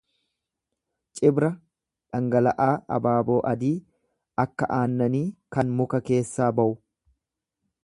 Cibra dhangala'aa abaaboo adii akka aannanii kan muka keessaa bawu.